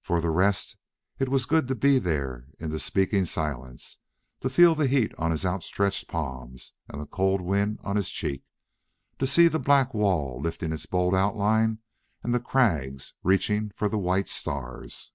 For the rest, it was good to be there in the speaking silence, to feel the heat on his outstretched palms and the cold wind on his cheek, to see the black wall lifting its bold outline and the crags reaching for the white stars.